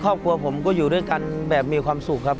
ครอบครัวผมก็อยู่ด้วยกันแบบมีความสุขครับ